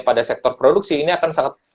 pada sektor produksi ini akan sangat